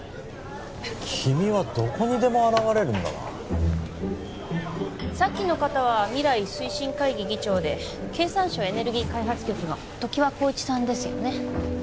君はどこにでも現れるんだなさっきの方は未来推進会議議長で経産省エネルギー開発局の常盤紘一さんですよね